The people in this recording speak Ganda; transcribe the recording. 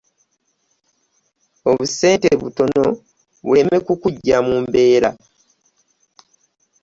Obusente butono buleme kukuggya mu mbeera.